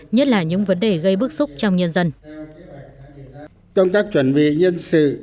nhất là những vấn đề gây bức xúc trong nhân dân